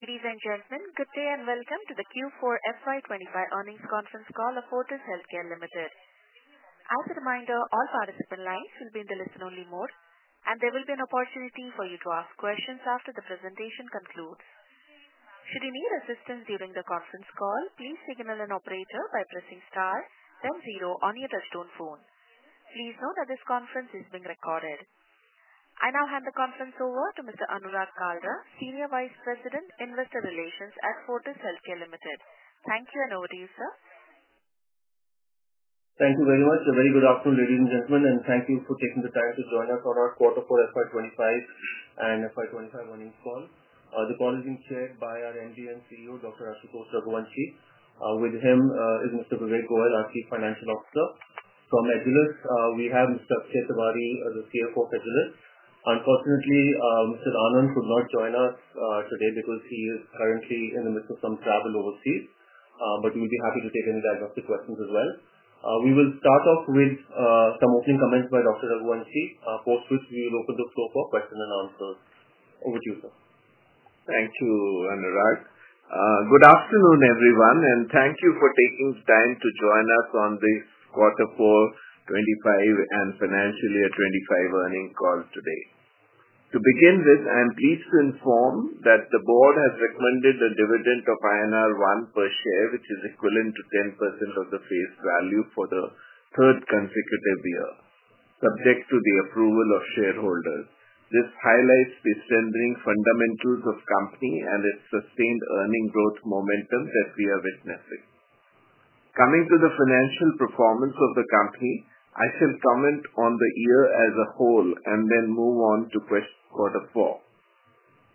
Ladies and gentlemen, good day and welcome to the Q4 FY 2025 earnings conference call of Fortis Healthcare Limited. As a reminder, all participant lines will be in the listen-only mode, and there will be an opportunity for you to ask questions after the presentation concludes. Should you need assistance during the conference call, please signal an operator by pressing star, then zero on your touchstone phone. Please note that this conference is being recorded. I now hand the conference over to Mr. Anurag Kalra, Senior Vice President, Investor Relations at Fortis Healthcare Limited. Thank you and over to you, sir. Thank you very much. A very good afternoon, ladies and gentlemen, and thank you for taking the time to join us on our quarter 4 FY 2025 and FY 2025 earnings call. The call is being chaired by our MD and CEO, Dr. Ashutosh Raghuvanshi. With him is Mr. Vivek Goyal, our Chief Financial Officer. From Agilus, we have Mr. Akshay Tiwari, the CFO of Agilus. Unfortunately, Mr. Anand could not join us today because he is currently in the midst of some travel overseas, but we'll be happy to take any diagnostic questions as well. We will start off with some opening comments by Dr. Raghuvanshi, post which we will open the floor for questions and answers. Over to you, sir. Thank you, Anurag. Good afternoon, everyone, and thank you for taking the time to join us on this quarter 4 2025 and financial year 2025 earnings call today. To begin with, I'm pleased to inform that the board has recommended a dividend of INR 1 per share, which is equivalent to 10% of the face value for the third consecutive year, subject to the approval of shareholders. This highlights the strengthening fundamentals of the company and its sustained earning growth momentum that we are witnessing. Coming to the financial performance of the company, I shall comment on the year as a whole and then move on to quarter 4.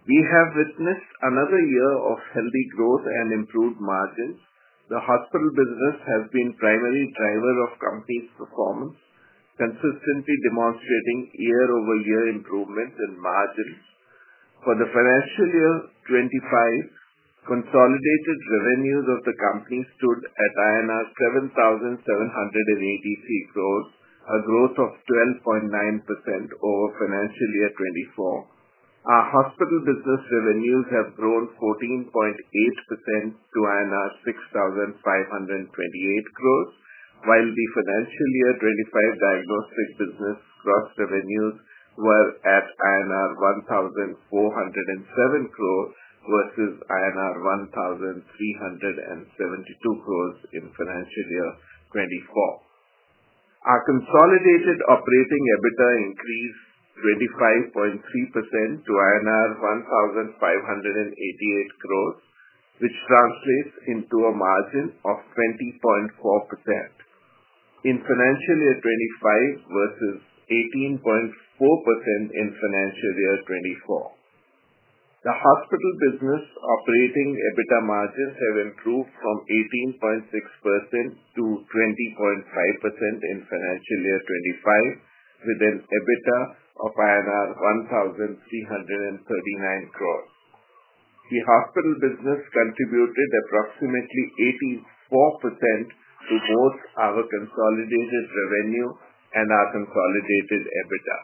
We have witnessed another year of healthy growth and improved margins. The hospital business has been the primary driver of the company's performance, consistently demonstrating year-over-year improvements in margins. For the financial year 2025, consolidated revenues of the company stood at INR 7,783 crores, a growth of 12.9% over financial year 2024. Our hospital business revenues have grown 14.8% to 6,528 crore, while the financial year 2025 diagnostic business gross revenues were at INR 1,407 crores versus INR 1,372 crores in financial year 2024. Our consolidated operating EBITDA increased 25.3% to INR 1,588 crores, which translates into a margin of 20.4% in financial year 2025 versus 18.4% in financial year 2024. The hospital business operating EBITDA margins have improved from 18.6% to 20.5% in financial year 2025, with an EBITDA of INR 1,339 crores. The hospital business contributed approximately 84% to both our consolidated revenue and our consolidated EBITDA.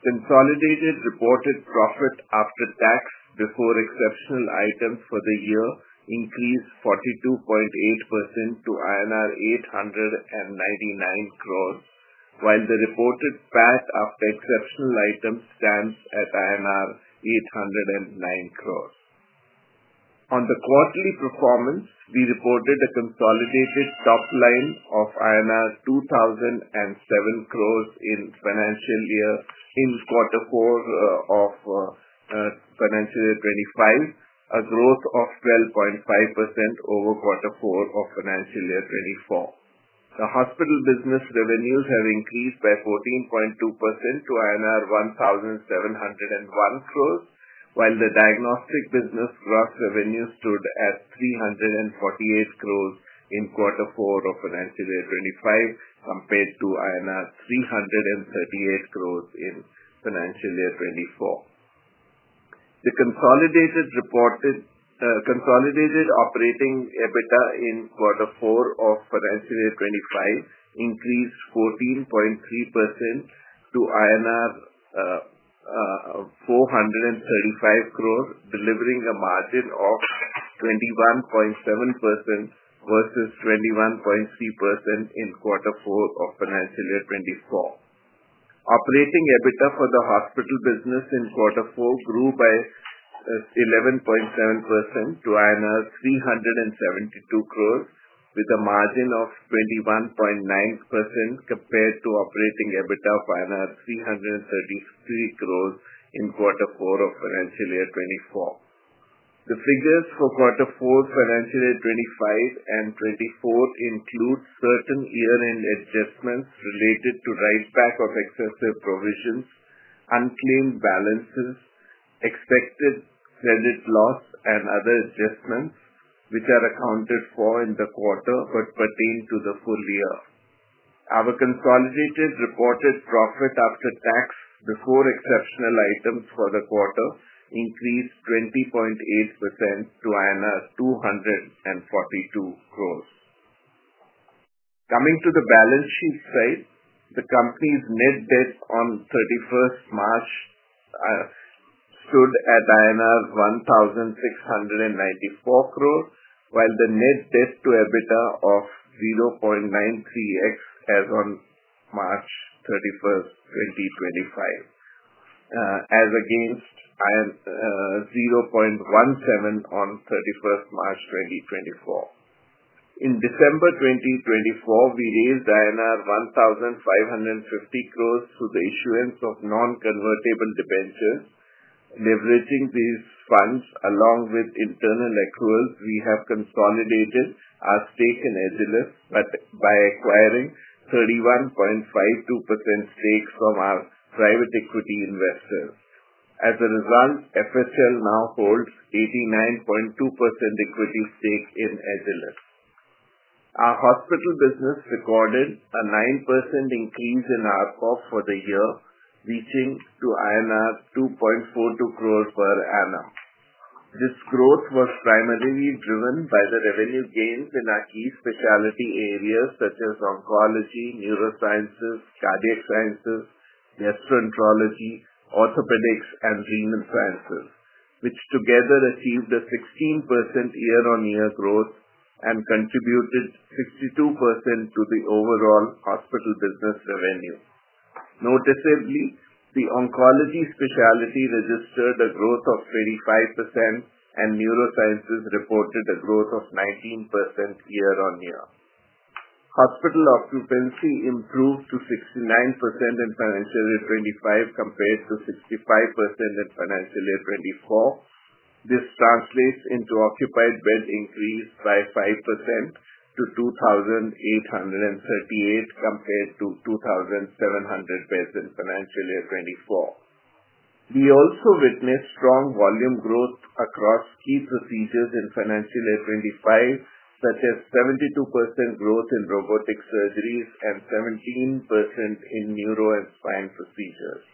Consolidated reported profit after tax before exceptional items for the year increased 42.8% to INR 899 crore, while the reported PAT after exceptional items stands at INR 809 crores. On the quarterly performance, we reported a consolidated top line of INR 2,007 crore in financial year in Q4 of financial year 2025, a growth of 12.5% over quarter 4 of financial year 2024. The hospital business revenues have increased by 14.2% to INR 1,701 croress, while the diagnostic business gross revenue stood at 348 crore in quarter 4 of financial year 2025, compared to INR 338 crores in financial year 2024. The consolidated operating EBITDA in quarter 4 of financial year 2025 increased 14.3% to INR 435 crores, delivering a margin of 21.7% versus 21.3% in quarter 4 of financial year 2024. Operating EBITDA for the hospital business in quarter 4 grew by 11.7% to 372 crores, with a margin of 21.9% compared to operating EBITDA of 333 crore in quarter 4 of financial year 2024. The figures for quarter 4 financial year 2025 and 2024 include certain year-end adjustments related to write-back of excessive provisions, unclaimed balances, expected credit loss, and other adjustments, which are accounted for in the quarter but pertain to the full year. Our consolidated reported profit after tax before exceptional items for the quarter increased 20.8% to 242 crores. Coming to the balance sheet side, the company's net debt on 31 March stood at INR 1,694 crores, while the net debt to EBITDA of 0.93x as on March 31, 2025, as against 0.17 on 31 March 2024. In December 2024, we raised INR 1,550s crore through the issuance of non-convertible debentures. Leveraging these funds along with internal accruals, we have consolidated our stake in Agilus by acquiring 31.52% stake from our private equity investors. As a result, FHL now holds 89.2% equity stake in Agilus. Our hospital business recorded a 9% increase in ARPOB for the year, reaching to INR 2.42 crores per annum. This growth was primarily driven by the revenue gains in our key specialty areas such as oncology, neurosciences, cardiac sciences, gastroenterology, orthopedics, and renal sciences, which together achieved a 16% year-on-year growth and contributed 62% to the overall hospital business revenue. Noticeably, the oncology specialty registered a growth of 25%, and neurosciences reported a growth of 19% year-on-year. Hospital occupancy improved to 69% in financial year 2025 compared to 65% in financial year 2024. This translates into occupied bed increase by 5% to 2,838 compared to 2,700 beds in financial year 2024. We also witnessed strong volume growth across key procedures in financial year 2025, such as 72% growth in robotic surgeries and 17% in neuro and spine procedures.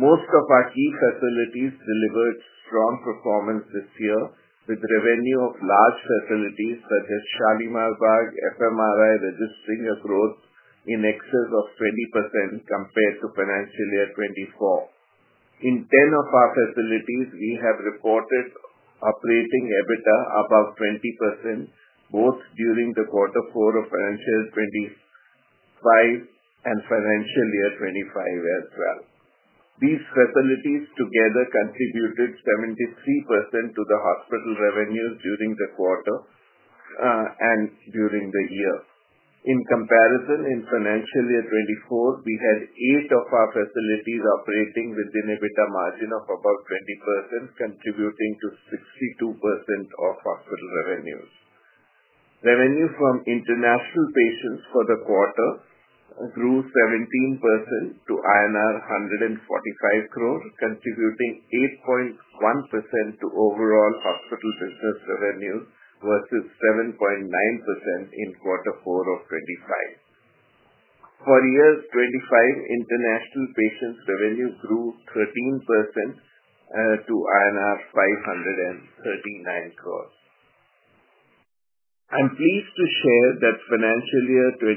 Most of our key facilities delivered strong performance this year, with revenue of large facilities such as Shalimar Bagh and FMRI registering a growth in excess of 20% compared to financial year 2024. In 10 of our facilities, we have reported operating EBITDA above 20% both during the quarter 4 of financial year 2025 and financial year 2025 as well. These facilities together contributed 73% to the hospital revenues during the quarter and during the year. In comparison, in financial year 2024, we had eight of our facilities operating within EBITDA margin of above 20%, contributing to 62% of hospital revenues. Revenue from international patients for the quarter grew 17% to INR 145 crore, contributing 8.1% to overall hospital business revenues versus 7.9% in quarter 4 of 2025. For year 2025, international patients' revenue grew 13% to INR 539 crores. I'm pleased to share that financial year 2025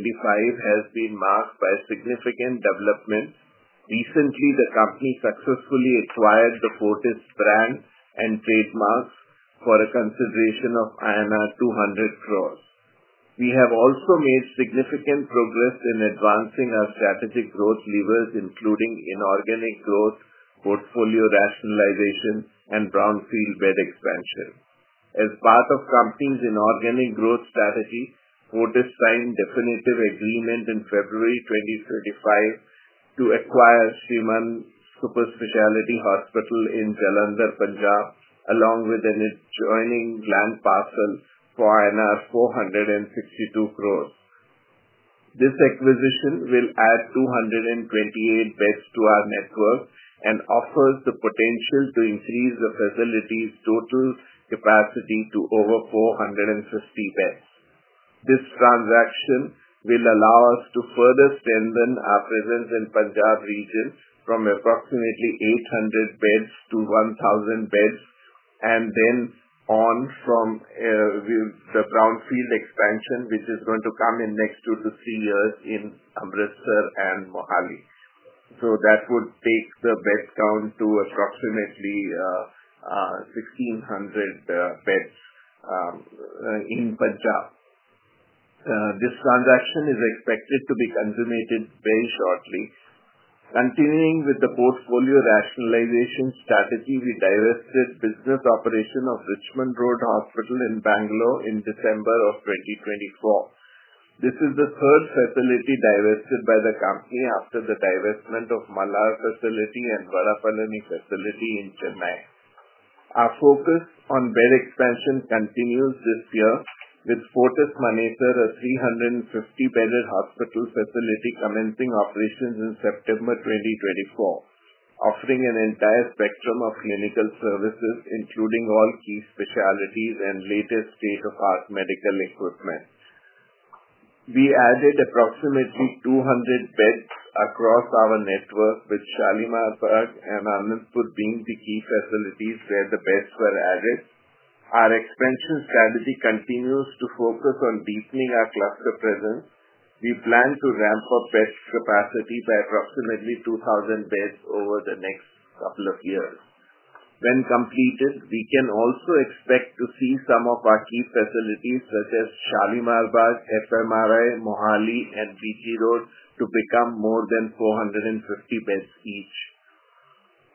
has been marked by significant development. Recently, the company successfully acquired the Fortis brand and trademarks for INR 200 crores. We have also made significant progress in advancing our strategic growth levers, including inorganic growth, portfolio rationalization, and brownfield bed expansion. As part of the company's inorganic growth strategy, Fortis signed a definitive agreement in February 2025 to acquire Shrimann Superspecialty Hospital in Jalandhar, Punjab, along with an adjoining land parcel for 462 crores. This acquisition will add 228 beds to our network and offers the potential to increase the facility's total capacity to over 450 beds. This transaction will allow us to further strengthen our presence in the Punjab region from approximately 800 beds to 1,000 beds, and then on from the brownfield expansion, which is going to come in next two to three years in Amritsar and Mohali. That would take the bed count to approximately 1,600 beds in Punjab. This transaction is expected to be consummated very shortly. Continuing with the portfolio rationalization strategy, we divested business operation of Richmond Road Hospital in Bangalore in December of 2024. This is the third facility divested by the company after the divestment of Malhar Facility and Varapuzhi Facility in Chennai. Our focus on bed expansion continues this year, with Fortis Manesar, a 350-bedded hospital facility, commencing operations in September 2024, offering an entire spectrum of clinical services, including all key specialties and latest state-of-the-art medical equipment. We added approximately 200 beds across our network, with Shalimar Bagh and Anandpur being the key facilities where the beds were added. Our expansion strategy continues to focus on deepening our cluster presence. We plan to ramp up bed capacity by approximately 2,000 beds over the next couple of years. When completed, we can also expect to see some of our key facilities, such as Shalimar Bagh, FMRI, Mohali, and BG Road, to become more than 450 beds each.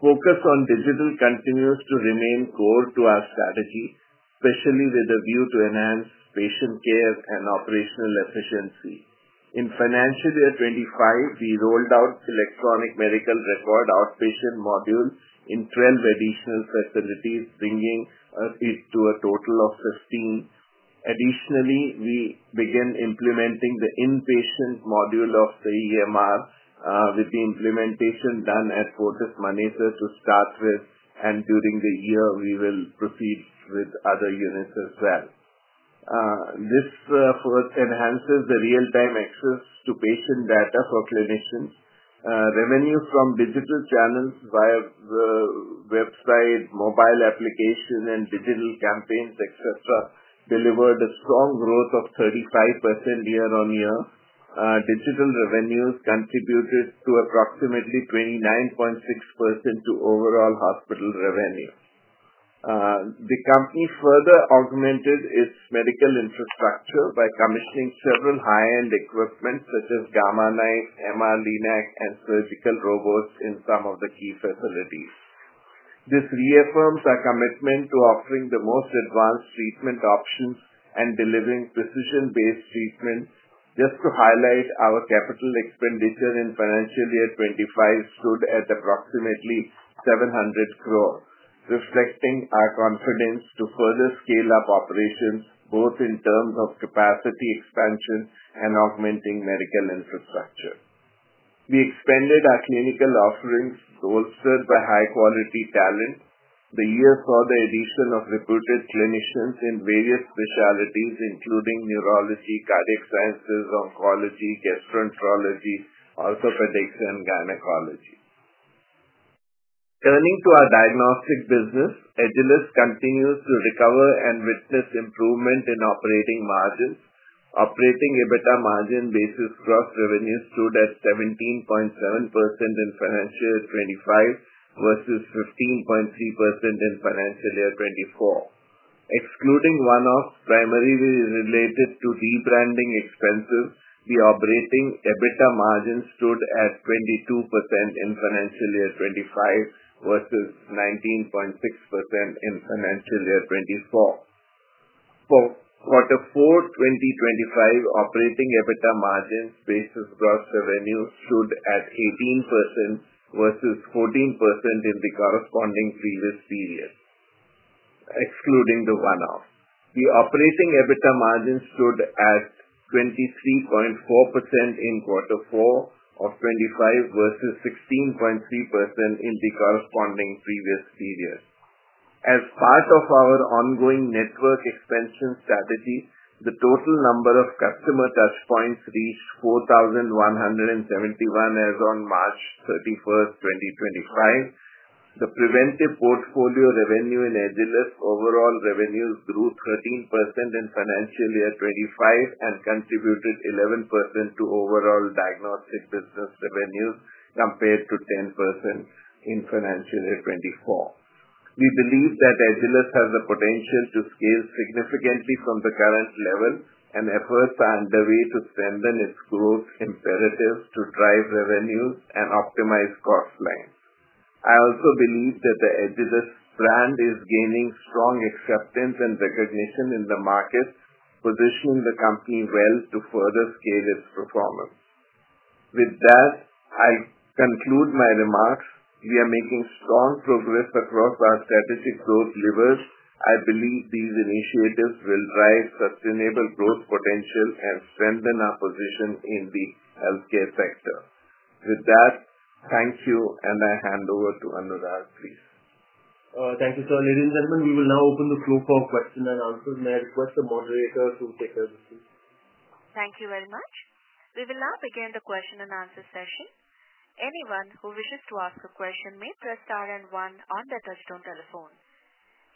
Focus on digital continues to remain core to our strategy, especially with a view to enhance patient care and operational efficiency. In financial year 2025, we rolled out electronic medical record outpatient modules in 12 additional facilities, bringing it to a total of 15. Additionally, we began implementing the inpatient module of the EMR, with the implementation done at Fortis Manesar to start with, and during the year, we will proceed with other units as well. This enhances the real-time access to patient data for clinicians. Revenue from digital channels via the website, mobile application, and digital campaigns, etc., delivered a strong growth of 35% year-on-year. Digital revenues contributed to approximately 29.6% to overall hospital revenue. The company further augmented its medical infrastructure by commissioning several high-end equipment, such as Gamma Knife, MR Linac, and surgical robots in some of the key facilities. This reaffirms our commitment to offering the most advanced treatment options and delivering precision-based treatments. Just to highlight, our capital expenditure in financial year 2025 stood at approximately 700 crores, reflecting our confidence to further scale up operations, both in terms of capacity expansion and augmenting medical infrastructure. We expanded our clinical offerings, bolstered by high-quality talent. The year saw the addition of reputed clinicians in various specialties, including neurology, cardiac sciences, oncology, gastroenterology, orthopedics, and gynecology. Turning to our diagnostic business, Agilus continues to recover and witness improvement in operating margins. Operating EBITDA margin basis gross revenue stood at 17.7% in financial year 2025 versus 15.3% in financial year 2024. Excluding one-offs primarily related to rebranding expenses, the operating EBITDA margin stood at 22% in financial year 2025 versus 19.6% in financial year 2024. For quarter 4 2025, operating EBITDA margin basis gross revenue stood at 18% versus 14% in the corresponding previous period, excluding the one-offs. The operating EBITDA margin stood at 23.4% in Q4 of 2025 versus 16.3% in the corresponding previous period. As part of our ongoing network expansion strategy, the total number of customer touchpoints reached 4,171 as on March 31, 2025. The preventive portfolio revenue in Agilus overall revenues grew 13% in financial year 2025 and contributed 11% to overall diagnostic business revenues compared to 10% in financial year 2024. We believe that Agilus has the potential to scale significantly from the current level, and efforts are underway to strengthen its growth imperatives to drive revenues and optimize cost lines. I also believe that the Agilus brand is gaining strong acceptance and recognition in the market, positioning the company well to further scale its performance. With that, I'll conclude my remarks. We are making strong progress across our strategic growth levers. I believe these initiatives will drive sustainable growth potential and strengthen our position in the healthcare sector. With that, thank you, and I hand over to Anurag, please. Thank you, sir. Ladies and gentlemen, we will now open the floor for questions and answers. May I request the moderator to take a seat? Thank you very much. We will now begin the question and answer session. Anyone who wishes to ask a question may press star and one on the touchstone telephone.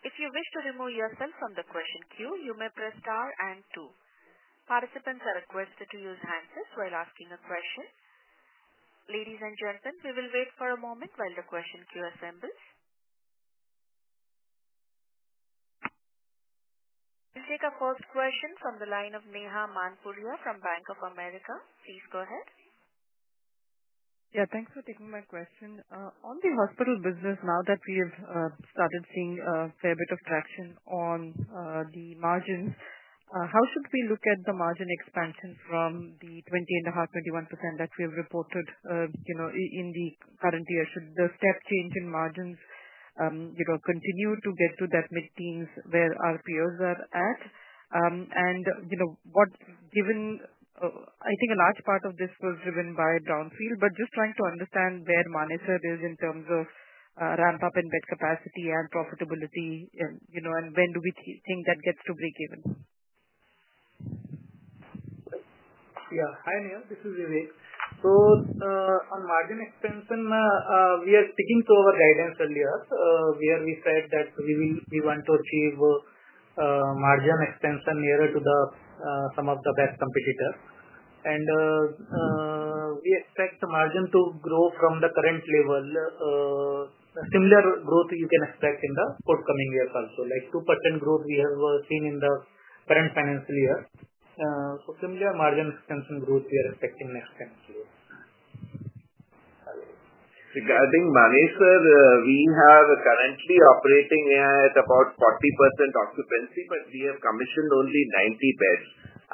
If you wish to remove yourself from the question queue, you may press star and two. Participants are requested to use handsets while asking a question. Ladies and gentlemen, we will wait for a moment while the question queue assembles. We'll take a first question from the line of Neha Manpuria from Bank of America. Please go ahead. Yeah, thanks for taking my question. On the hospital business, now that we have started seeing a fair bit of traction on the margins, how should we look at the margin expansion from the 20.5%-21% that we have reported in the current year? Should the step change in margins continue to get to that mid-teens where our peers are at? Given I think a large part of this was driven by brownfield, just trying to understand where Manesar is in terms of ramp-up in bed capacity and profitability, and when do we think that gets to break even? Yeah. Hi, Neha. This is Vivek. On margin expansion, we are sticking to our guidance earlier, where we said that we want to achieve margin expansion nearer to some of the best competitors. We expect the margin to grow from the current level. Similar growth you can expect in the forthcoming years also, like 2% growth we have seen in the current financial year. Similar margin expansion growth we are expecting next financial year. Regarding Manesar, we are currently operating at about 40% occupancy, but we have commissioned only 90 beds.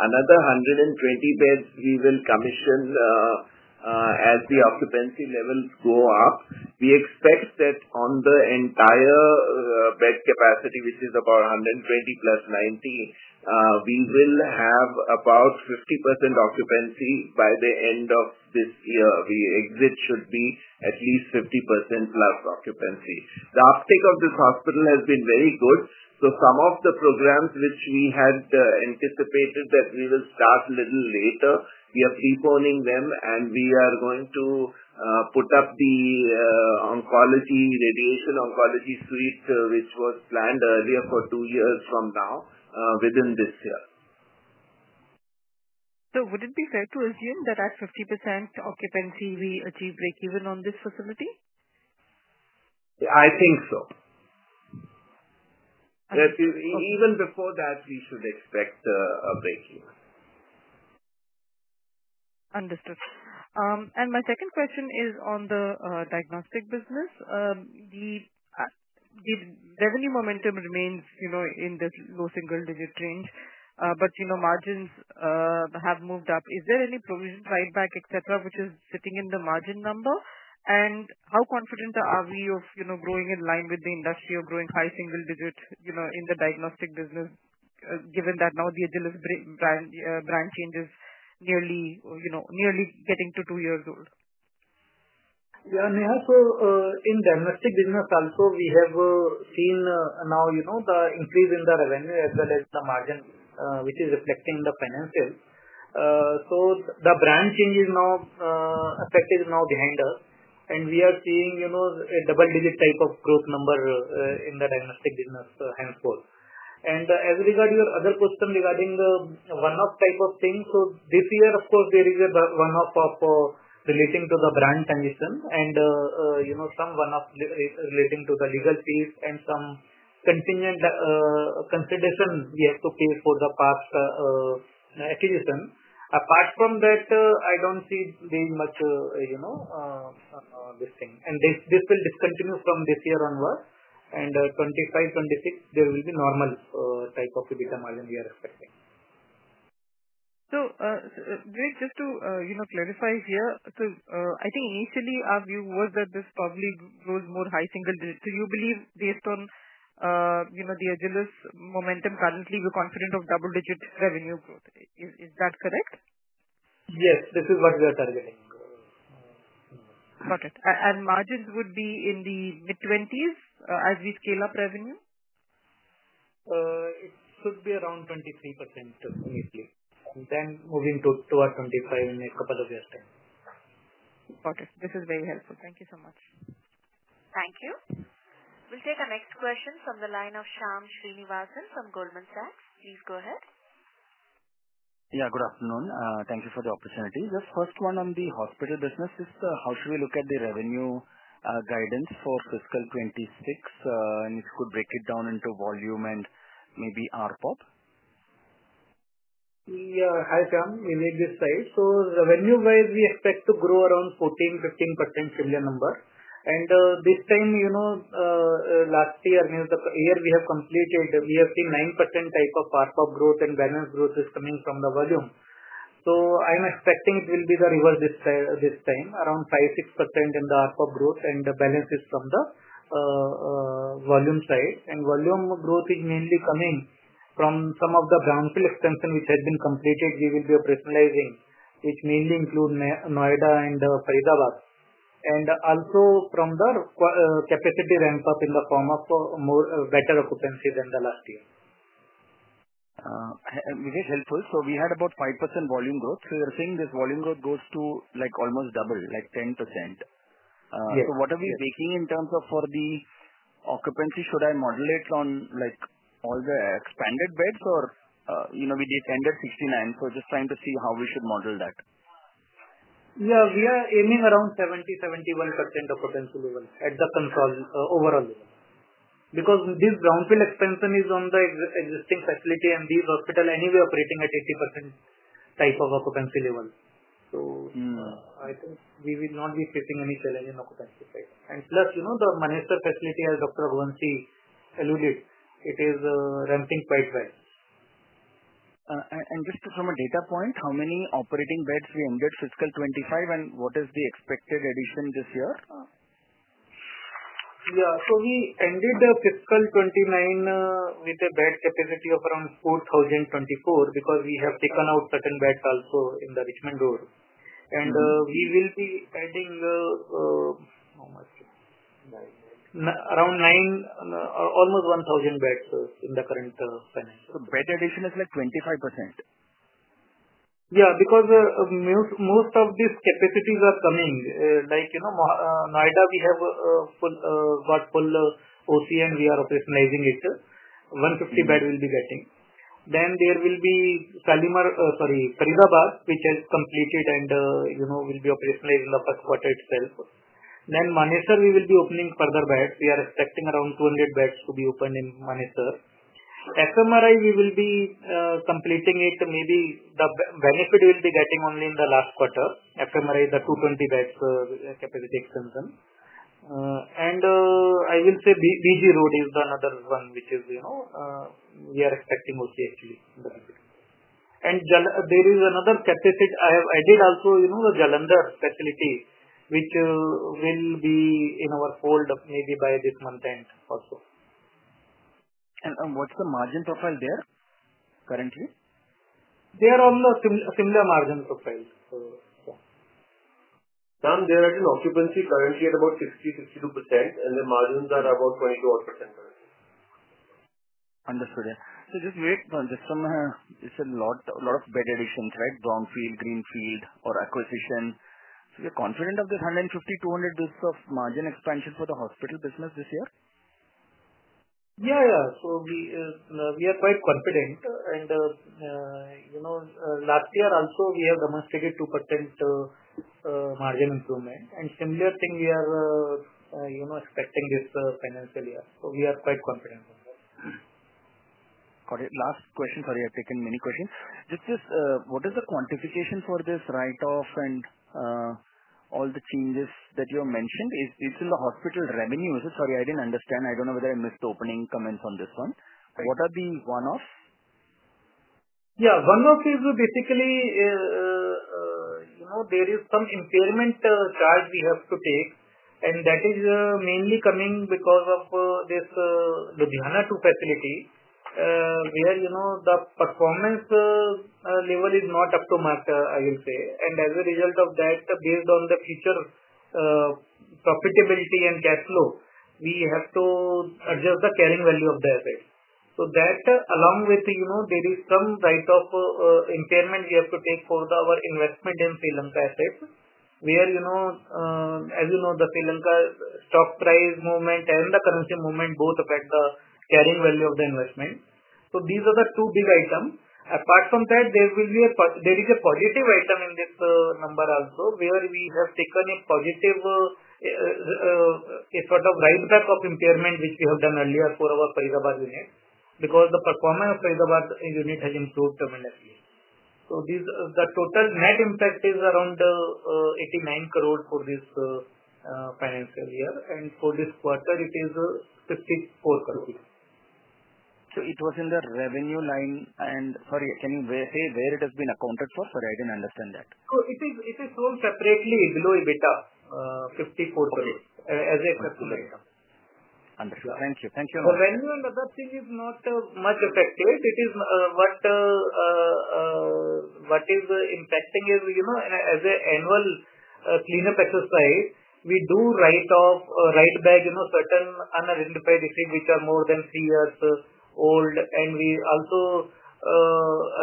Another 120 beds we will commission as the occupancy levels go up. We expect that on the entire bed capacity, which is about 120 plus 90, we will have about 50% occupancy by the end of this year. The exit should be at least 50% plus occupancy. The uptake of this hospital has been very good. Some of the programs which we had anticipated that we will start a little later, we are preponing them, and we are going to put up the radiation oncology suite, which was planned earlier for two years from now within this year. Would it be fair to assume that at 50% occupancy we achieve breakeven on this facility? I think so. Even before that, we should expect a breakeven. Understood. My second question is on the diagnostic business. The revenue momentum remains in this low single-digit range, but margins have moved up. Is there any provision fightback, etc., which is sitting in the margin number? How confident are we of growing in line with the industry or growing high single-digit in the diagnostic business, given that now the Agilus brand change is nearly getting to two years old? Yeah. In diagnostic business also, we have seen now the increase in the revenue as well as the margin, which is reflecting the financial. The brand change is now affected, is now behind us, and we are seeing a double-digit type of growth number in the diagnostic business henceforth. As regard to your other question regarding the one-off type of thing, this year, of course, there is a one-off relating to the brand transition and some one-off relating to the legal fees and some contingent consideration we have to pay for the past acquisition. Apart from that, I do not see very much this thing. This will discontinue from this year onward, and 2025, 2026, there will be normal type of EBITDA margin we are expecting. Vivek, just to clarify here, I think initially our view was that this probably grows more high single-digit. You believe, based on the Agilus momentum currently, you are confident of double-digit revenue growth. Is that correct? Yes. This is what we are targeting. Got it. Margins would be in the mid-20% as we scale up revenue? It should be around 23% nearly, and then moving towards 25% in a couple of years' time. Got it. This is very helpful. Thank you so much. Thank you. We'll take our next question from the line of Shyam Srinivasan from Goldman Sachs. Please go ahead. Yeah. Good afternoon. Thank you for the opportunity. The first one on the hospital business is, how should we look at the revenue guidance for fiscal 2026, and if you could break it down into volume and maybe ARPOB? Yeah. Hi, Shyam. Vivek this side. So revenue-wise, we expect to grow around 14-15% similar number. And this time, last year, the year we have completed, we have seen 9% type of ARPOB growth, and balance growth is coming from the volume. I'm expecting it will be the reverse this time, around 5-6% in the ARPOB growth, and the balance is from the volume side. Volume growth is mainly coming from some of the brownfield expansion which has been completed. We will be operationalizing, which mainly includes Noida and Faridabad, and also from the capacity ramp-up in the form of better occupancy than last year. Vivek, helpful. We had about 5% volume growth. You're saying this volume growth goes to almost double, like 10%. What are we baking in terms of for the occupancy? Should I model it on all the expanded beds, or we descended 69? Just trying to see how we should model that. Yeah. We are aiming around 70-71% occupancy level at the overall level. Because this brownfield expansion is on the existing facility, and these hospitals anyway are operating at 80% type of occupancy level. I think we will not be facing any challenge in occupancy side. Plus, the Manesar facility, as Dr. Raghuvanshi alluded, it is ramping quite well. Just from a data point, how many operating beds we ended fiscal 2025, and what is the expected addition this year? Yeah. We ended fiscal 2024 with a bed capacity of around 4,024 because we have taken out certain beds also in the Richmond Road. We will be adding around almost 1,000 beds in the current financial. Bed addition is like 25%? Yeah. Because most of these capacities are coming. Like Noida, we have got full OC, and we are operationalizing it. 150 beds we'll be getting. There will be Shalimar, sorry. Faridabad, which has completed and will be operationalized in the first quarter itself. Manesar, we will be opening further beds. We are expecting around 200 beds to be opened in Manesar. FMRI, we will be completing it. Maybe the benefit we'll be getting only in the last quarter, FMRI, the 220 beds capacity expansion. I will say BG Road is another one which we are expecting OC actually in the future. There is another capacity I have added also, the Jalandhar facility, which will be in our fold maybe by this month end also. What's the margin profile there currently? They are on the similar margin profile. Yeah. They are at an occupancy currently at about 60-62%, and the margins are about 22-odd % currently. Understood. Just Vivek, just from a it's a lot of bed additions, right? Brownfield, greenfield, or acquisition. So you're confident of this 150-200 basis points of margin expansion for the hospital business this year? Yeah. Yeah. So we are quite confident. And last year also, we have demonstrated 2% margin improvement. And similar thing, we are expecting this financial year. So we are quite confident on that. Got it. Last question. Sorry, I've taken many questions. Just what is the quantification for this write-off and all the changes that you have mentioned? It's in the hospital revenue. Sorry, I didn't understand. I don't know whether I missed opening comments on this one. What are the one-offs? Yeah. One-off is basically there is some impairment charge we have to take, and that is mainly coming because of this Ludhiana-2 facility, where the performance level is not up to mark, I will say. As a result of that, based on the future profitability and cash flow, we have to adjust the carrying value of the assets. That, along with there is some write-off impairment we have to take for our investment in Sri Lanka assets, where, as you know, the Sri Lanka stock price movement and the currency movement both affect the carrying value of the investment. These are the two big items. Apart from that, there is a positive item in this number also, where we have taken a positive sort of write-back of impairment, which we have done earlier for our Faridabad unit, because the performance of Faridabad unit has improved tremendously. The total net impact is around 89 crores for this financial year, and for this quarter, it is 54 crores. It was in the revenue line, and sorry, can you say where it has been accounted for? Sorry, I did not understand that. It is sold separately below EBITDA, 54 crores as a separate item. Understood. Thank you. Thank you very much. Revenue and other things are not much affected. What is impacting is, as an annual cleanup exercise, we do write off, write back certain unidentified estates which are more than three years old, and we also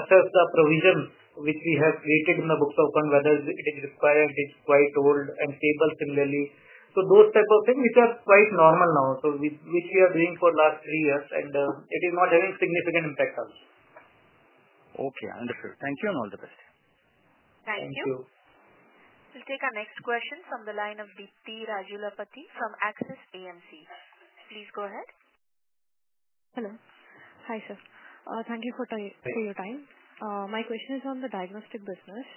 assess the provision which we have created in the books of fund, whether it is required, it is quite old, and stable similarly. Those types of things are quite normal now, which we are doing for the last three years, and it is not having significant impact on us. Okay. Understood. Thank you and all the best. Thank you. Thank you. We'll take our next question from the line of Deepthi Rajulapati from Axis AMC. Please go ahead. Hello. Hi, sir. Thank you for your time. My question is on the diagnostic business.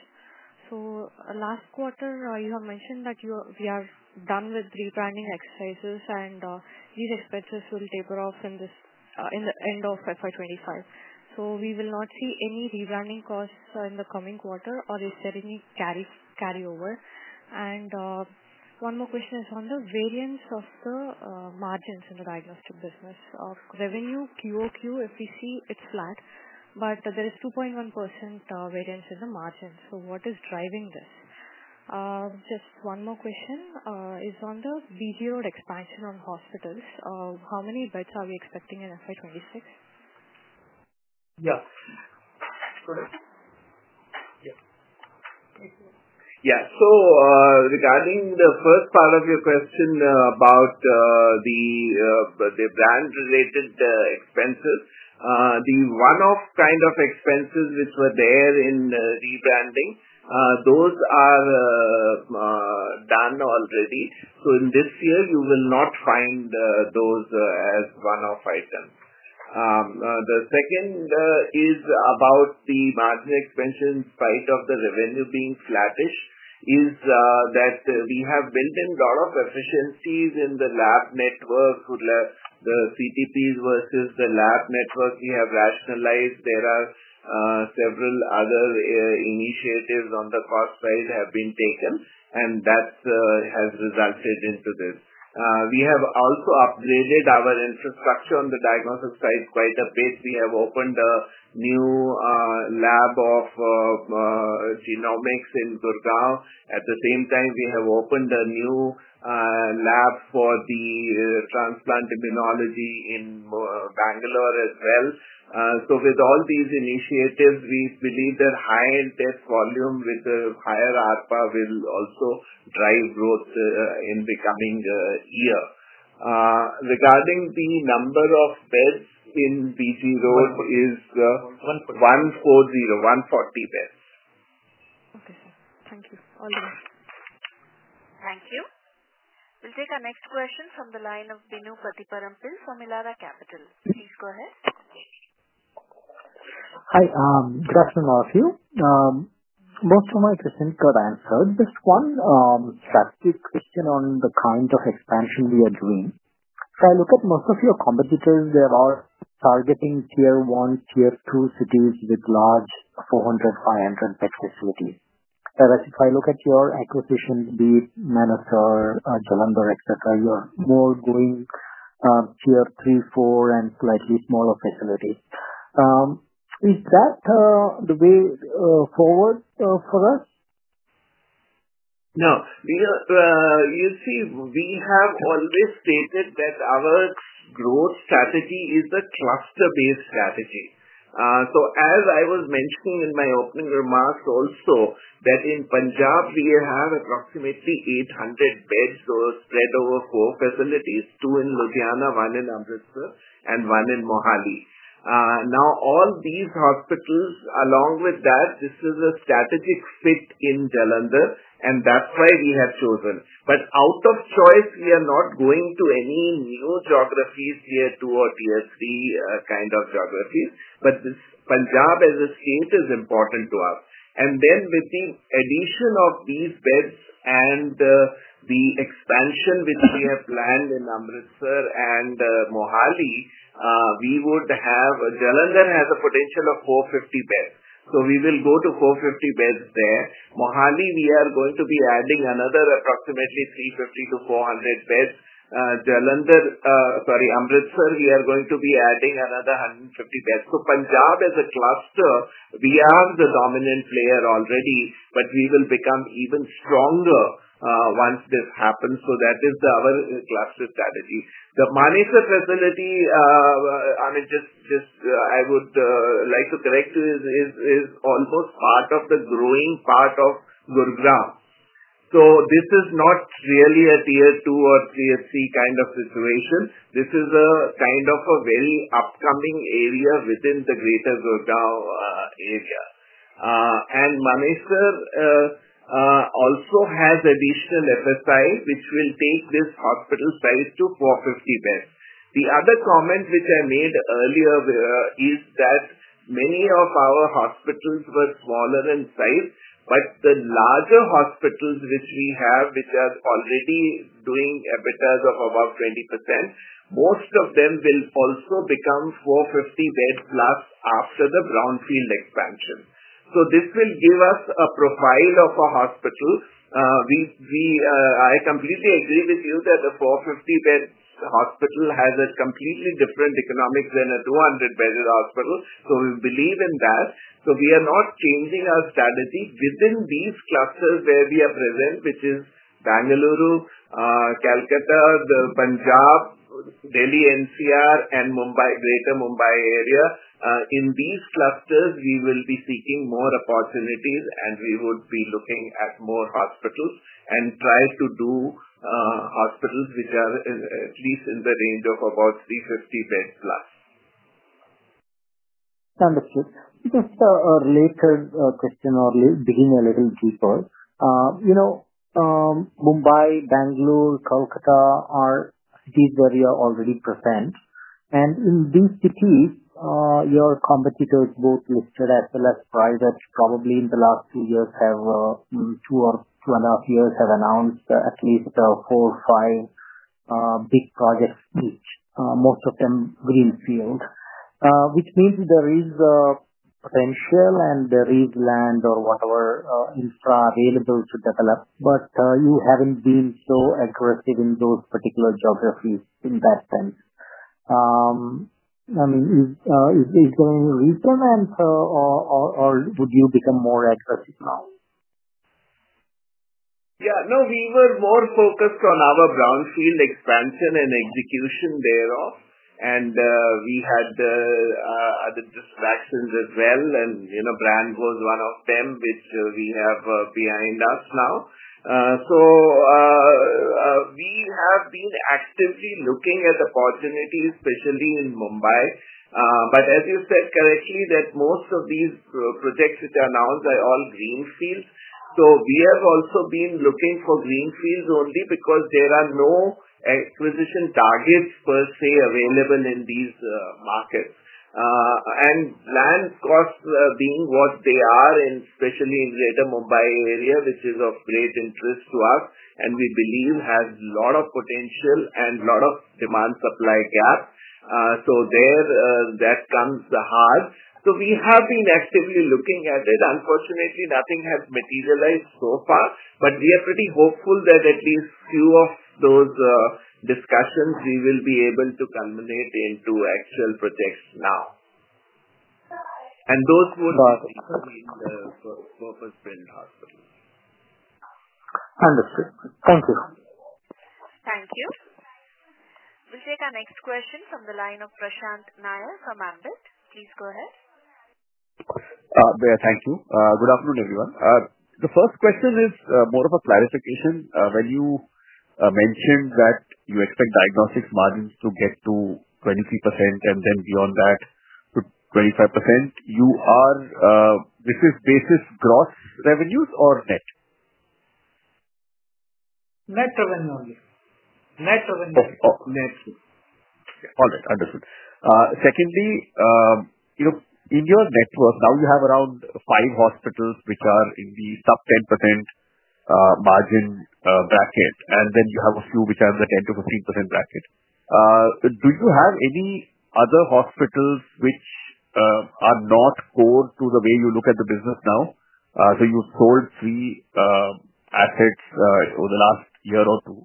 Last quarter, you have mentioned that we are done with rebranding exercises, and these expenses will taper off in the end of FY 2025. We will not see any rebranding costs in the coming quarter, or is there any carryover? One more question is on the variance of the margins in the diagnostic business. Of revenue, Q-o-Q, if we see, it's flat, but there is 2.1% variance in the margins. What is driving this? Just one more question is on the BG Road expansion on hospitals. How many beds are we expecting in FY 2026? Yeah. Correct. Yeah. Yeah. Regarding the first part of your question about the brand-related expenses, the one-off kind of expenses which were there in rebranding, those are done already. In this year, you will not find those as one-off items. The second is about the margin expansion, in spite of the revenue being flattish, is that we have built in a lot of efficiencies in the lab network. The CTPs versus the lab network, we have rationalized. There are several other initiatives on the cost side that have been taken, and that has resulted into this. We have also upgraded our infrastructure on the diagnostic side quite a bit. We have opened a new lab of genomics in Gurgaon. At the same time, we have opened a new lab for the transplant immunology in Bangalore as well. With all these initiatives, we believe that higher test volume with the higher ARPOB will also drive growth in the coming year. Regarding the number of beds in BG Road, it is 140. 140 beds. Okay. Thank you. All the best. Thank you. We'll take our next question from the line of Bino Pathiparampil from Elara Capital. Please go ahead. Hi. Good afternoon, all of you. Most of my questions got answered. Just one strategic question on the kind of expansion we are doing. If I look at most of your competitors, they are all targeting tier-one, tier-two cities with large 400-500 bed facilities. Whereas if I look at your acquisition, be it Manesar, Jalandhar, etc., you're more going tier-three, four, and slightly smaller facilities. Is that the way forward for us? No. You see, we have always stated that our growth strategy is a cluster-based strategy. As I was mentioning in my opening remarks also, in Punjab, we have approximately 800 beds spread over four facilities, two in Ludhiana, one in Amritsar, and one in Mohali. Now, all these hospitals, along with that, this is a strategic fit in Jalandhar, and that is why we have chosen. Out of choice, we are not going to any new geographies, tier-two or tier-three kind of geographies. Punjab as a state is important to us. With the addition of these beds and the expansion which we have planned in Amritsar and Mohali, we would have Jalandhar has a potential of 450 beds. We will go to 450 beds there. Mohali, we are going to be adding another approximately 350-400 beds. Sorry, Amritsar, we are going to be adding another 150 beds. Punjab as a cluster, we are the dominant player already, but we will become even stronger once this happens. That is our cluster strategy. The Manesar facility, I mean, just I would like to correct you, is almost part of the growing part of Gurgaon. This is not really a tier-two or tier-three kind of situation. This is kind of a very upcoming area within the greater Gurgaon area. Manesar also has additional FSI, which will take this hospital size to 450 beds. The other comment which I made earlier is that many of our hospitals were smaller in size, but the larger hospitals which we have, which are already doing EBITDAs of about 20%, most of them will also become 450 beds plus after the brownfield expansion. This will give us a profile of a hospital. I completely agree with you that a 450-bed hospital has a completely different economic than a 200-bed hospital. We believe in that. We are not changing our strategy within these clusters where we are present, which is Bangalore, Kolkata, Punjab, Delhi-NCR, and Greater Mumbai area. In these clusters, we will be seeking more opportunities, and we would be looking at more hospitals and try to do hospitals which are at least in the range of about 350 beds plus. Understood. Just a later question or beginning a little deeper. Mumbai, Bangalore, Kolkata are cities where you are already present. In these cities, your competitors, both listed as well as private, probably in the last two or two and a half years, have announced at least four or five big projects each, most of them greenfield, which means there is potential and there is land or whatever infra available to develop. You have not been so aggressive in those particular geographies in that sense. I mean, is there any reason or would you become more aggressive now? Yeah. No, we were more focused on our brownfield expansion and execution thereof. We had other distractions as well, and Brand was one of them, which we have behind us now. We have been actively looking at opportunities, especially in Mumbai. As you said correctly, most of these projects which are announced are all greenfields. We have also been looking for greenfields only because there are no acquisition targets per se available in these markets. Land costs being what they are, especially in Greater Mumbai area, which is of great interest to us and we believe has a lot of potential and a lot of demand-supply gap, that comes hard. We have been actively looking at it. Unfortunately, nothing has materialized so far, but we are pretty hopeful that at least a few of those discussions we will be able to culminate into actual projects now. Those would be purpose-built hospitals. Understood. Thank you. Thank you. We'll take our next question from the line of Prashant Nail from AMBIT. Please go ahead. Thank you. Good afternoon, everyone. The first question is more of a clarification. When you mentioned that you expect diagnostics margins to get to 23% and then beyond that to 25%, this is basis gross revenues or net? Net revenue only. Net revenue only. Net revenue. Okay. All right. Understood. Secondly, in your network, now you have around five hospitals which are in the sub-10% margin bracket, and then you have a few which are in the 10-15% bracket. Do you have any other hospitals which are not core to the way you look at the business now? You sold three assets over the last year or two.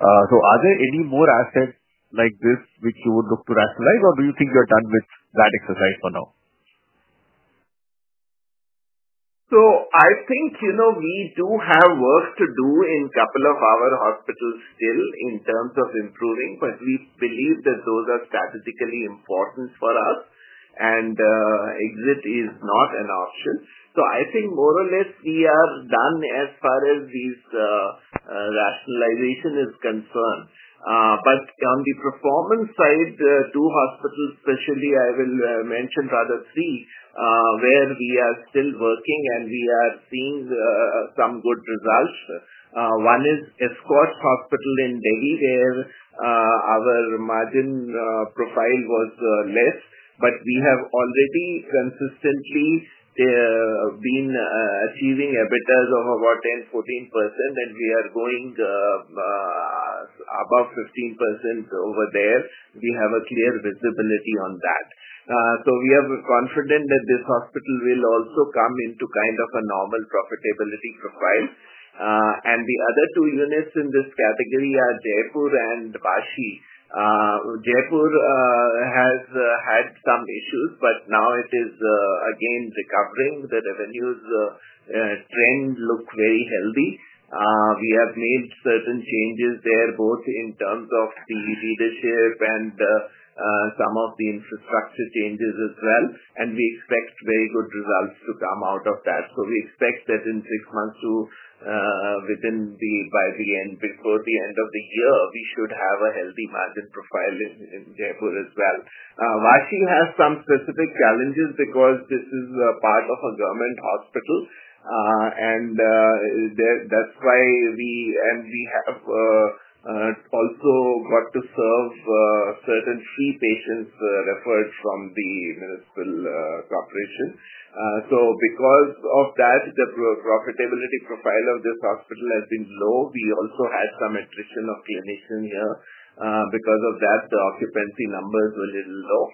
Are there any more assets like this which you would look to rationalize, or do you think you're done with that exercise for now? I think we do have work to do in a couple of our hospitals still in terms of improving, but we believe that those are strategically important for us, and exit is not an option. I think more or less we are done as far as this rationalization is concerned. On the performance side, two hospitals, especially I will mention rather three, where we are still working and we are seeing some good results. One is Escorts Hospital in Delhi, where our margin profile was less, but we have already consistently been achieving EBITDAs of about 10-14%, and we are going above 15% over there. We have a clear visibility on that. We are confident that this hospital will also come into kind of a normal profitability profile. The other two units in this category are Jaipur and Mulund. Jaipur has had some issues, but now it is again recovering. The revenues trend looks very healthy. We have made certain changes there, both in terms of the leadership and some of the infrastructure changes as well. We expect very good results to come out of that. We expect that in six months to by the end before the end of the year, we should have a healthy margin profile in Jaipur as well. Bashi has some specific challenges because this is part of a government hospital, and that is why we have also got to serve certain free patients referred from the municipal corporation. Because of that, the profitability profile of this hospital has been low. We also had some attrition of clinicians here. Because of that, the occupancy numbers were a little low.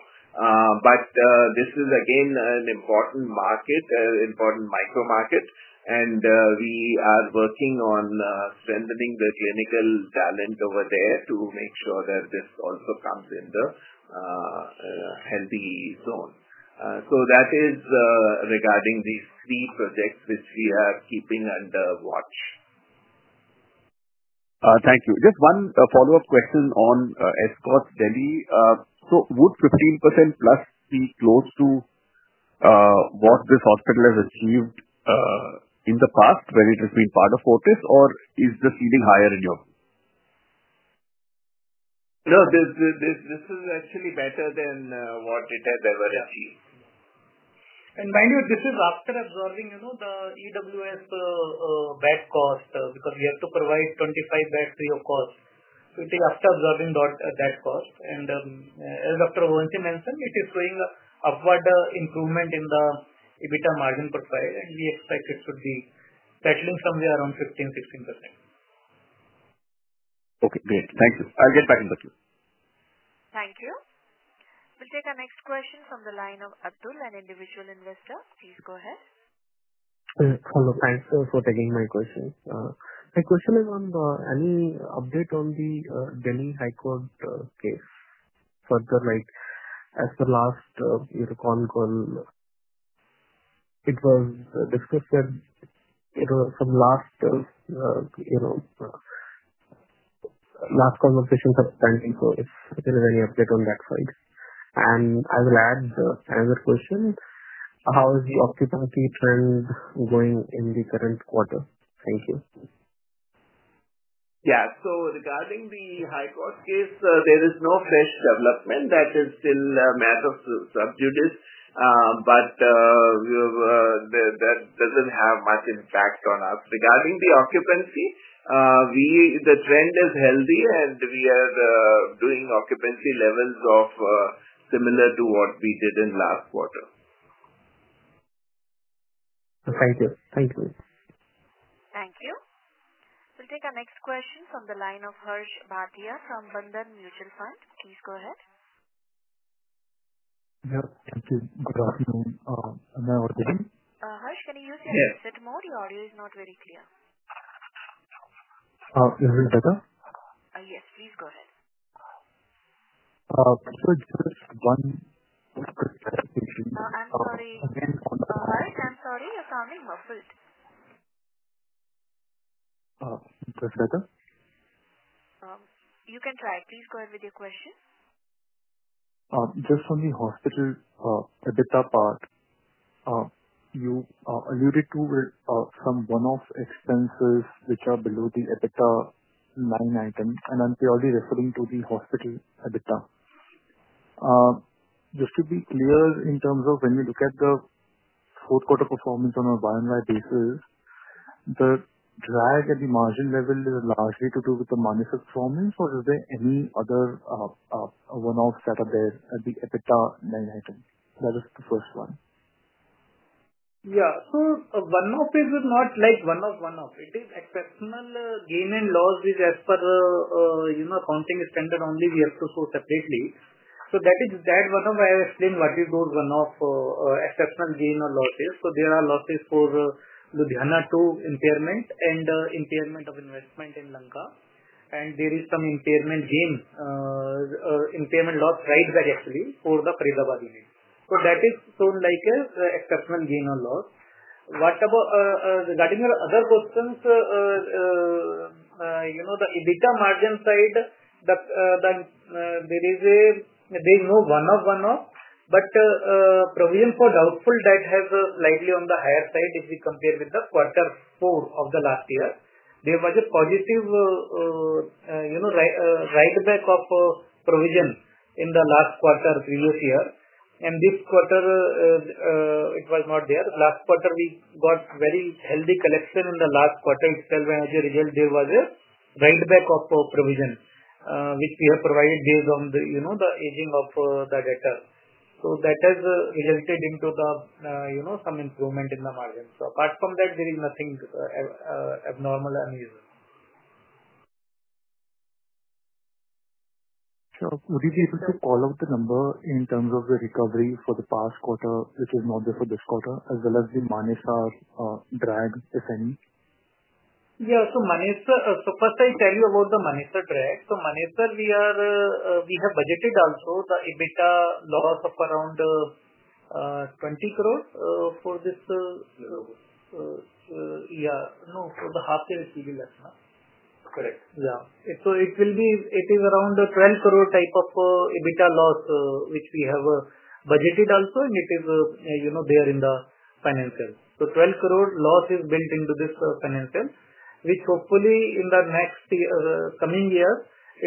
This is, again, an important market, an important micro-market, and we are working on strengthening the clinical talent over there to make sure that this also comes in the healthy zone. That is regarding these three projects which we are keeping under watch. Thank you. Just one follow-up question on Escorts Delhi. Would 15% plus be close to what this hospital has achieved in the past when it has been part of Fortis, or is this even higher in your view? No, this is actually better than what it has ever achieved. Mind you, this is after absorbing the EWS bed cost because we have to provide 25 beds, of course. It is after absorbing that cost. As Dr. Avanti mentioned, it is showing upward improvement in the EBITDA margin profile, and we expect it should be settling somewhere around 15-16%. Okay. Great. Thank you. I'll get back in touch with you. Thank you. We'll take our next question from the line of Abdul, an individual investor. Please go ahead. Hello. Thanks for taking my question. My question is on any update on the Delhi High Court case? As per last call, it was discussed that from last conversations standing, so if there is any update on that side. I will add another question. How is the occupancy trend going in the current quarter? Thank you. Yeah. So regarding the High Court case, there is no fresh development. That is still a matter of sub judice, but that doesn't have much impact on us. Regarding the occupancy, the trend is healthy, and we are doing occupancy levels similar to what we did in last quarter. Thank you. Thank you. Thank you. We'll take our next question from the line of Harsh Bhatia from HDFC Mutual Fund. Please go ahead. Yeah. Thank you. Good afternoon. Am I audible? Harsh, can you use your headset more? Your audio is not very clear. Is it better? Yes. Please go ahead. Just one quick clarification. I'm sorry. Harsh, I'm sorry. You're sounding muffled. Is that better? You can try. Please go ahead with your question. Just on the hospital EBITDA part, you alluded to some one-off expenses which are below the EBITDA line item, and I'm purely referring to the hospital EBITDA. Just to be clear, in terms of when we look at the fourth-quarter performance on a bar and wide basis, the drag at the margin level is largely to do with the manifest performance, or is there any other one-off setup there at the EBITDA line item? That is the first one. Yeah. One-off is not like one-off, one-off. It is exceptional gain and loss which, as per accounting standard only, we have to show separately. That one-off, I explained what is those one-off exceptional gain or losses. There are losses for Ludhiana II impairment and impairment of investment in Lanka, and there is some impairment loss right back actually for the Faridabad unit. That is shown like an exceptional gain or loss. Regarding your other questions, the EBITDA margin side, there is no one-off, one-off, but provision for doubtful debt has slightly on the higher side if we compare with the quarter four of the last year. There was a positive right back of provision in the last quarter previous year. This quarter, it was not there. Last quarter, we got very healthy collection in the last quarter itself, and as a result, there was a write-back of provision which we have provided based on the aging of the data. That has resulted into some improvement in the margin. Apart from that, there is nothing abnormal or unusual. Would you be able to call out the number in terms of the recovery for the past quarter which is not there for this quarter, as well as the Manesar drag, if any? Yeah. First, I'll tell you about the Manesar drag. Manesar, we have budgeted also the EBITDA loss of around 20 crore for this year. No, for the half year, it will be less. Correct. Yeah. It is around 12 crore type of EBITDA loss which we have budgeted also, and it is there in the financial. Twelve crore loss is built into this financial, which hopefully in the next coming year,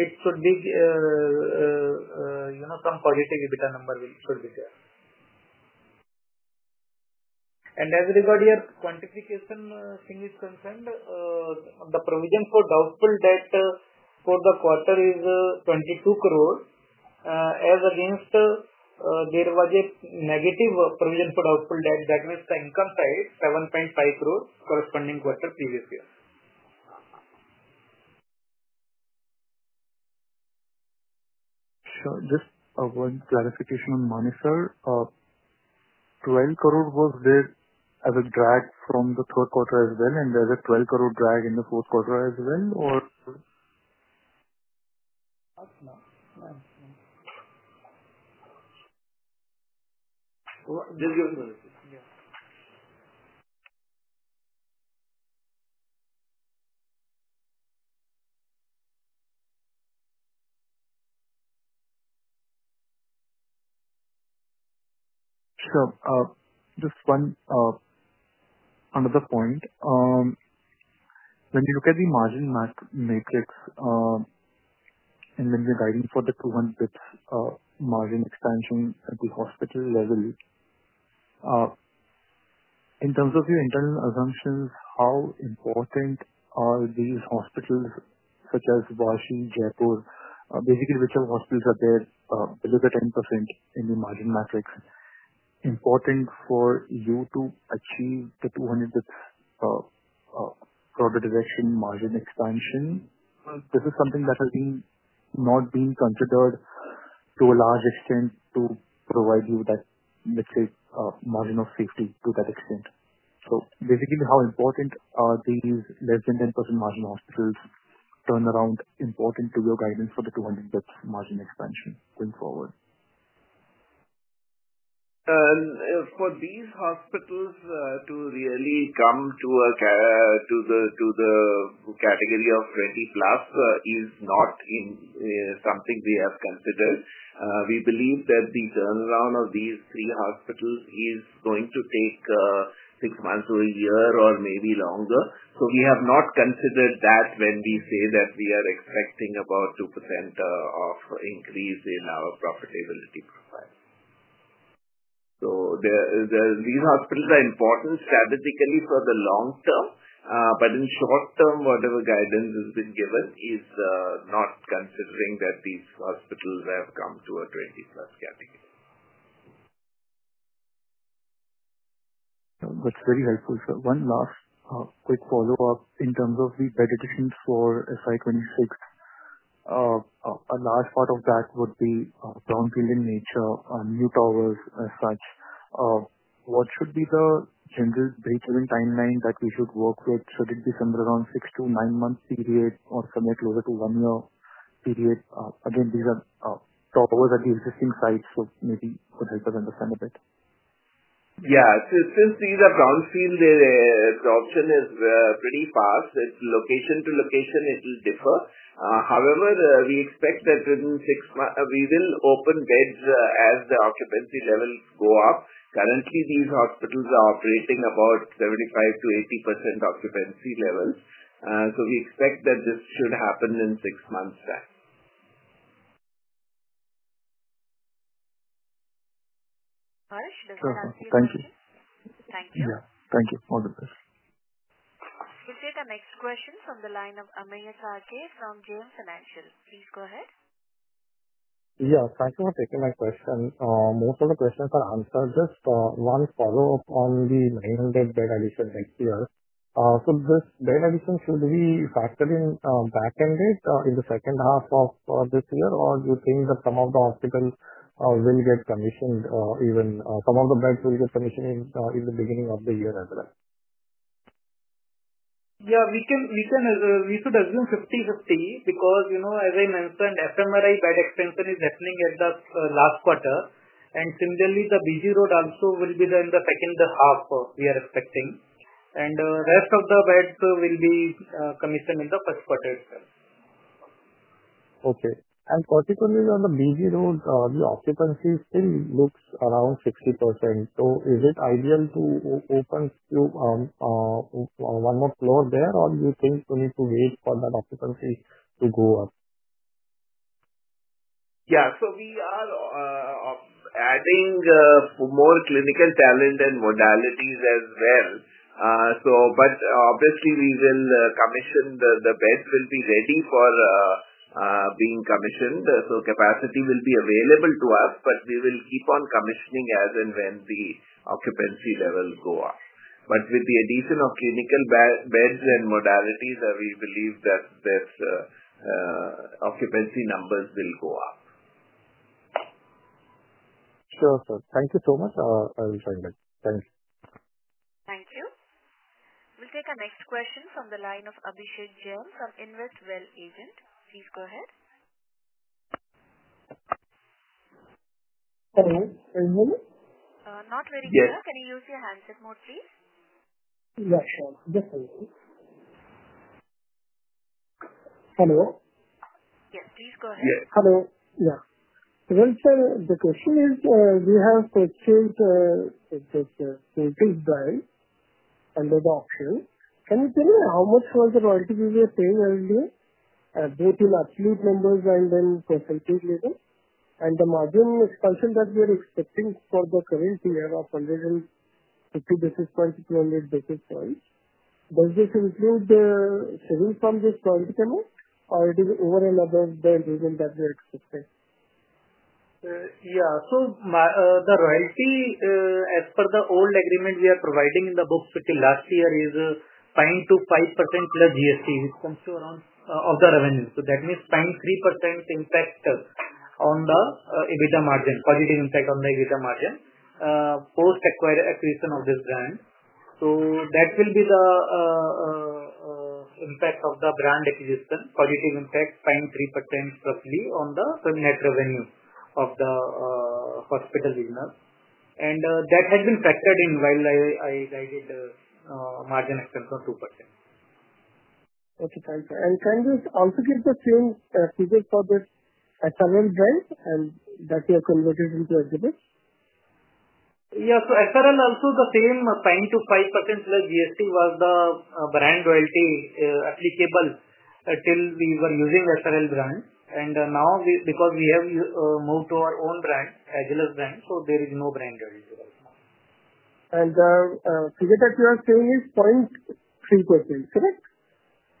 it should be some positive EBITDA number should be there. As regard your quantification thing is concerned, the provision for doubtful debt for the quarter is INR 22 crore. As against, there was a negative provision for doubtful debt. That was the income side, 7.5 crore corresponding quarter previous year. Sure. Just one clarification on Manesar. 12 crore was there as a drag from the third quarter as well, and there was a 12 crore drag in the fourth quarter as well, or? Sure. Just one another point. When you look at the margin matrix and when you're guiding for the 200 basis points margin expansion at the hospital level, in terms of your internal assumptions, how important are these hospitals such as Bashi, Jaipur? Basically, whichever hospitals are there, below the 10% in the margin matrix, important for you to achieve the 200 basis points broader direction margin expansion? This is something that has not been considered to a large extent to provide you that, let's say, margin of safety to that extent. Basically, how important are these less than 10% margin hospitals turnaround important to your guidance for the 200 basis points margin expansion going forward? For these hospitals to really come to the category of 20 plus is not something we have considered. We believe that the turnaround of these three hospitals is going to take six months to a year or maybe longer. We have not considered that when we say that we are expecting about 2% of increase in our profitability profile. These hospitals are important statistically for the long term, but in the short term, whatever guidance has been given is not considering that these hospitals have come to a 20-plus category. That's very helpful. One last quick follow-up in terms of the dedication for SI26. A large part of that would be ground-peeling nature on new towers as such. What should be the general break-even timeline that we should work with? Should it be somewhere around six- to nine-month period or somewhere closer to one-year period? Again, these are towers at the existing sites, so maybe it would help us understand a bit. Yeah. Since these are ground-peeled, the option is pretty fast. Location to location, it will differ. However, we expect that in six months, we will open beds as the occupancy levels go up. Currently, these hospitals are operating about 75-80% occupancy levels. We expect that this should happen in six months' time. Harsh, that will help you. Thank you. Thank you. Yeah. Thank you. All the best. We'll take our next question from the line of Amey Chalke from JM Financial. Please go ahead. Yeah. Thanks for taking my question. Most of the questions are answered. Just one follow-up on the 900 bed addition next year. This bed addition, should we factor in back-end it in the second half of this year, or do you think that some of the hospitals will get commissioned, even some of the beds will get commissioned in the beginning of the year as well? Yeah. We should assume 50/50 because, as I mentioned, FMRI bed extension is happening at the last quarter. Similarly, the BG Road also will be in the second half we are expecting. The rest of the beds will be commissioned in the first quarter itself. Okay. Particularly on the BG Road, the occupancy still looks around 60%. Is it ideal to open one more floor there, or do you think we need to wait for that occupancy to go up? Yeah. We are adding more clinical talent and modalities as well. Obviously, we will commission the beds; they will be ready for being commissioned. Capacity will be available to us, but we will keep on commissioning as and when the occupancy levels go up. With the addition of clinical beds and modalities, we believe that the occupancy numbers will go up. Sure, sir. Thank you so much. I will join back. Thank you. Thank you. We'll take our next question from the line of Abhishek Jain from InvestWell Agent. Please go ahead. Hello. Can you hear me? Not very clear. Can you use your handset mode, please? Yeah, sure. Just a moment. Hello? Yes. Please go ahead. Yes. Hello. Yeah. Sir, the question is we have purchased the clinical drive and the doctor. Can you tell me how much was the royalty we were paying earlier, both in absolute numbers and in percentage level? And the margin expansion that we are expecting for the current year of 50 basis points is 20 to 100 basis points is fine. Does this include the savings from this royalty payment, or it is over and above the reason that we are expecting? Yeah. The royalty, as per the old agreement we are providing in the books last year, is 0.25% plus GST, which comes to around of the revenue. That means 0.3% impact on the EBITDA margin, positive impact on the EBITDA margin post-acquisition of this grant. That will be the impact of the brand acquisition, positive impact, 0.3% roughly on the net revenue of the hospital business. That has been factored in while I guided margin expansion 2%. Okay. Thank you. Can you also give the same figure for the SRL grant that you have converted into exhibits? Yeah. SRL also the same 0.25% plus GST was the brand royalty applicable till we were using SRL brand. Now, because we have moved to our own brand, Agilus brand, there is no brand royalty right now. The figure that you are saying is 0.3%, correct?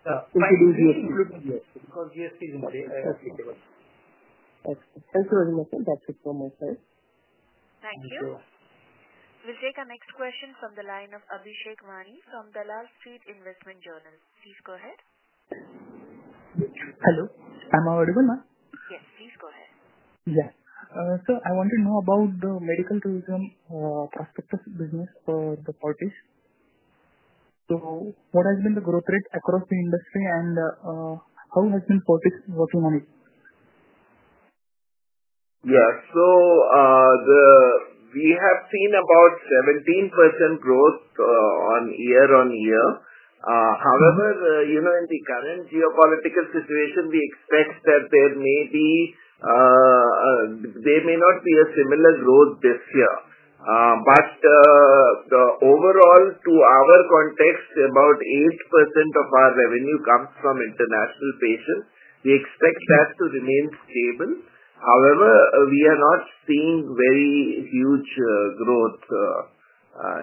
Including GST. Because GST is applicable. Excellent. Thank you very much, sir. That's it from my side. Thank you. Thank you. We'll take our next question from the line of Abhishek Wani from Dalal Street Investment Journal. Please go ahead. Hello. Am I audible now? Yes. Please go ahead. Yeah. Sir, I want to know about the medical tourism prospectus business for the Fortis. What has been the growth rate across the industry, and how has Fortis been working on it? Yeah. We have seen about 17% growth year on year. However, in the current geopolitical situation, we expect that there may be, there may not be a similar growth this year. Overall, to our context, about 8% of our revenue comes from international patients. We expect that to remain stable. However, we are not seeing very huge growth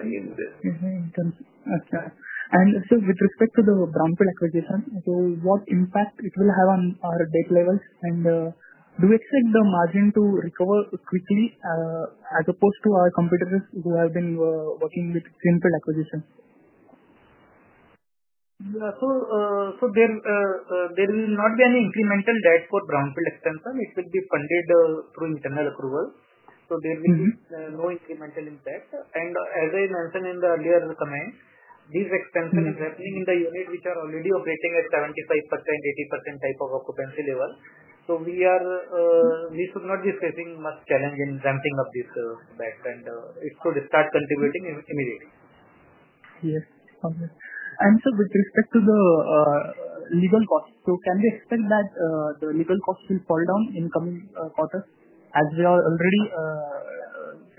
in this. Okay. And sir, with respect to the brownfield acquisition, what impact will it have on our debt levels? And do we expect the margin to recover quickly as opposed to our competitors who have been working with greenfield acquisition? Yeah. There will not be any incremental debt for brownfield expansion. It will be funded through internal approval. There will be no incremental impact. As I mentioned in the earlier comment, this expansion is happening in the unit which is already operating at 75%-80% type of occupancy level. We should not be facing much challenge in ramping up this bed, and it should start contributing immediately. Yes. Okay. Sir, with respect to the legal costs, can we expect that the legal costs will fall down in coming quarters as we are already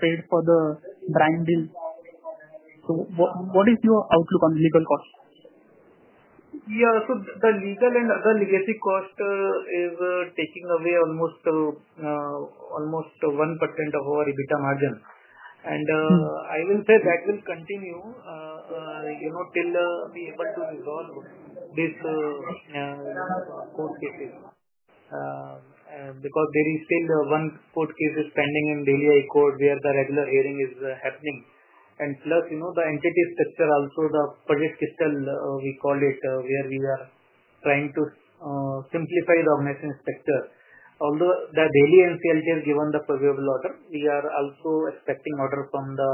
paid for the brand deals? What is your outlook on legal costs? Yeah. The legal and other legacy cost is taking away almost 1% of our EBITDA margin. I will say that will continue till we are able to resolve these court cases because there is still one court case pending in Delhi High Court where the regular hearing is happening. Plus, the entity structure also, the project crystal, we called it, where we are trying to simplify the organization structure. Although the Delhi NCLT has given the provisional order, we are also expecting order from the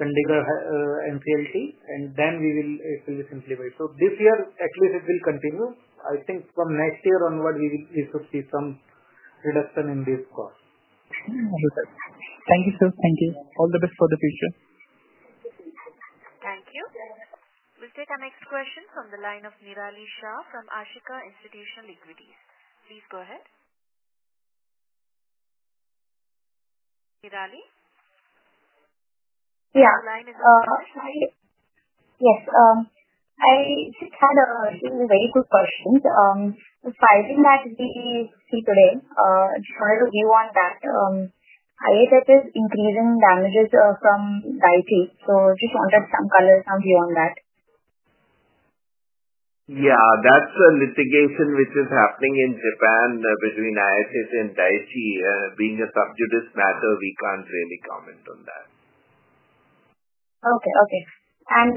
Chandigarh NCLT, and then it will be simplified. This year, at least, it will continue. I think from next year onward, we should see some reduction in this cost. Thank you, sir. Thank you. All the best for the future. Thank you. We'll take our next question from the line of Nirali Shah from Ashika Institutional Equities. Please go ahead. Nirali? Yeah. The line is on your side. Yes. I just had a few very quick questions. So far, I think that we see today just a little view on that. ISS is increasing damages from Daiichi. So just wanted some color, some view on that. Yeah. That's a litigation which is happening in Japan between ISS and Daiichi. Being a subjudiced matter, we can't really comment on that. Okay. Okay. And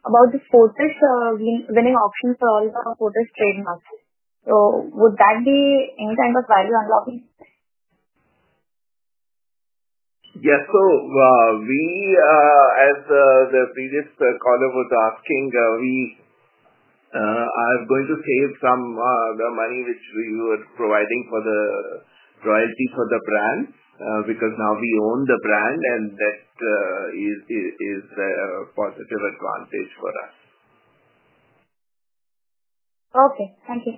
about the Fortis winning auction for all the Fortis trademarks, so would that be any kind of value unlocking? Yes. We, as the previous caller was asking, I'm going to save some of the money which we were providing for the royalty for the brand because now we own the brand, and that is a positive advantage for us. Okay. Thank you.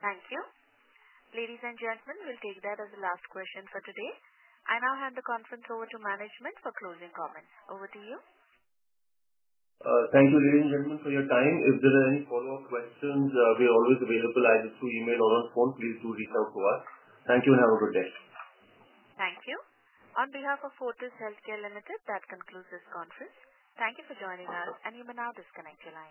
Thank you. Ladies and gentlemen, we'll take that as the last question for today. I now hand the conference over to management for closing comments. Over to you. Thank you, ladies and gentlemen, for your time. If there are any follow-up questions, we are always available either through email or on phone. Please do reach out to us. Thank you and have a good day. Thank you. On behalf of Fortis Healthcare Limited, that concludes this conference. Thank you for joining us, and you may now disconnect your line.